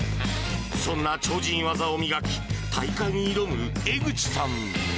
そんな超人技を磨き、大会に挑む江口さん。